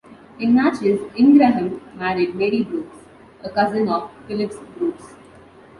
In Natchez, Ingraham married Mary Brooks, a cousin of Phillips Brooks.